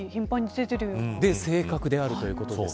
そして正確であるということです。